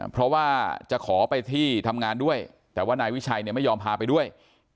เพราะว่าจะขอไปที่ทำงานด้วยแต่ว่านายวิชัยเนี่ยไม่ยอมพาไปด้วย